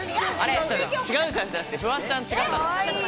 違うじゃんじゃなくて、フワちゃん違うじゃん！